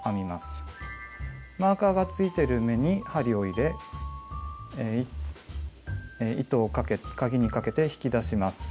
マーカーがついてる目に針を入れ糸をかぎにかけて引き出します。